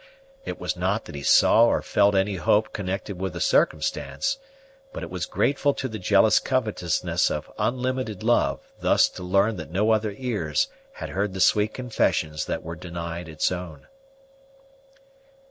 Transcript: It was not that he saw or felt any hope connected with the circumstance; but it was grateful to the jealous covetousness of unlimited love thus to learn that no other ears had heard the sweet confessions that were denied its own.